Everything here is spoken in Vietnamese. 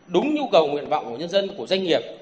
đúng nhu cầu nguyện vọng của nhân dân của doanh nghiệp